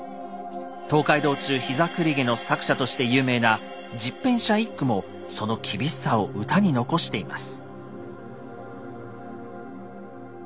「東海道中膝栗毛」の作者として有名な十返舎一九もその厳しさを歌に残しています。